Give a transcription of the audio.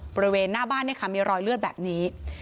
บริเวณหน้าบ้านเนี่ยค่ะมีรอยเลือดแบบนี้